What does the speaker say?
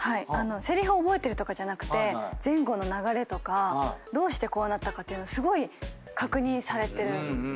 せりふ覚えてるとかじゃなくて前後の流れとかどうしてこうなったかっていうのをすごい確認されてるイメージがあって。